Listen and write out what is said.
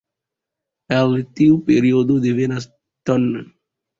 El tiu periodo devenas tn.